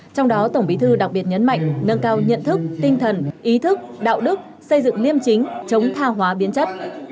trong đó tổng bí thư đặc biệt nhấn mạnh nâng cao nhận thức tinh thần ý thức đạo đức xây dựng liêm chính chống tha hóa biến chất